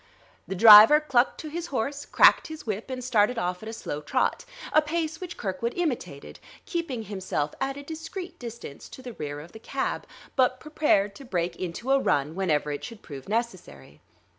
The driver clucked to his horse, cracked his whip, and started off at a slow trot: a pace which Kirkwood imitated, keeping himself at a discreet distance to the rear of the cab, but prepared to break into a run whenever it should prove necessary.